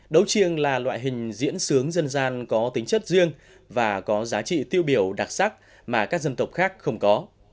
đấu chiêng là loại hình diễn sướng dân gian có tính chất riêng và có giá trị tiêu biểu đặc sắc mà các dân tộc khác không có